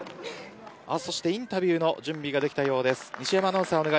インタビューの準備ができたようです。